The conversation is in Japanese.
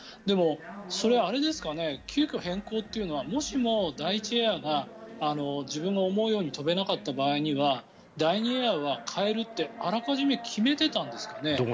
でも、それはあれですかね急きょ変更というのはもしも第１エアが自分の思うように飛べなかった場合には第２エアは変えるってあらかじめ決めてたんですかね？